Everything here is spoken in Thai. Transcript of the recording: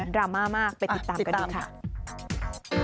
ราม่ามากไปติดตามกันดีค่ะ